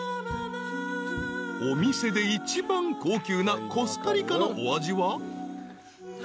［お店で一番高級なコスタリカのお味は］